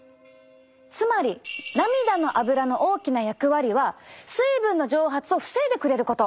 つまり涙のアブラの大きな役割は水分の蒸発を防いでくれること！